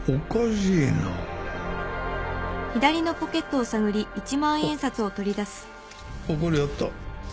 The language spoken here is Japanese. あっここにあった